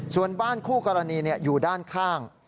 ส่วนบ้านคู่กรณีอยู่ด้านข้าง